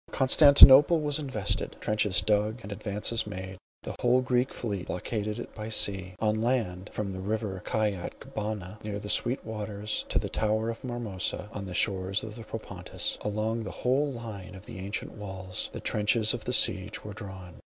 Constantinople was invested, trenches dug, and advances made. The whole Greek fleet blockaded it by sea; on land from the river Kyat Kbanah, near the Sweet Waters, to the Tower of Marmora, on the shores of the Propontis, along the whole line of the ancient walls, the trenches of the siege were drawn.